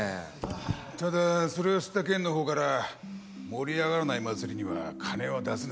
ただそれを知った県のほうから盛り上がらない祭りには金は出せないと。